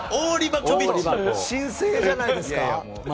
新星じゃないですか。